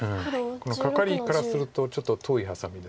カカリからするとちょっと遠いハサミですけど。